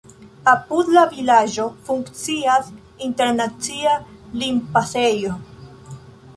Apud la vilaĝo funkcias internacia limpasejo.